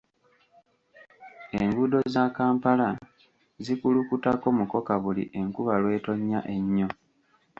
Enguudo za Kampala zikulukutako mukoka buli enkuba lw'etonnya ennyo.